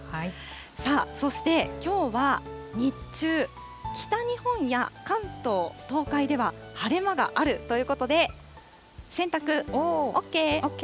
さあ、そしてきょうは日中、北日本や関東、東海では、晴れ間があるということで、洗濯ＯＫ。